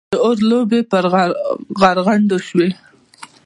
د اور لمبې پر غرغنډو شوې.